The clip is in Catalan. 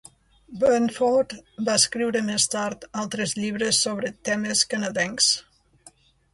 Burnford va escriure més tard altres llibres sobre temes canadencs.